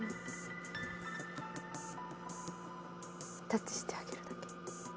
タッチしてあげるだけ。